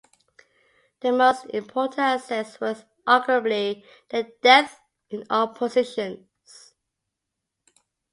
Their most important asset was arguably their depth in all positions.